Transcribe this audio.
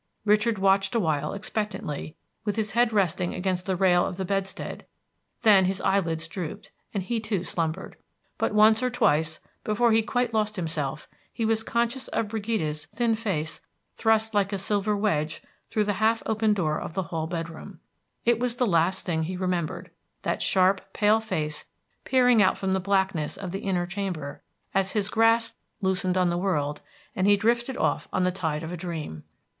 Richard watched awhile expectantly, with his head resting against the rail of the bedstead; then his eyelids drooped, and he too slumbered. But once or twice, before he quite lost himself, he was conscious of Brigida's thin face thrust like a silver wedge through the half open door of the hall bedroom. It was the last thing he remembered, that sharp, pale face peering out from the blackness of the inner chamber as his grasp loosened on the world and he drifted off on the tide of a dream.